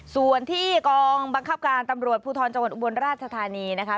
ส่วนที่กองบังคับการตำรวจภูทรจังหวัดอุบลราชธานีนะคะ